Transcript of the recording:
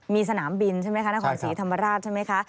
มีสนามบินใช่ไหมคะนครศรีธรรมราชใช่ไหมคะ